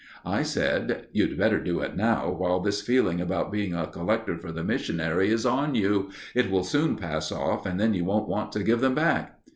I said: "You'd better do it now, while this feeling about being a collector for the Missionary is on you. It will soon pass off, and then you won't want to give them back."